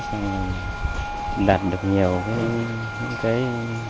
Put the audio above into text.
xong là đạt được nhiều những cái